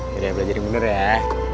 yaudah belajarin bener ya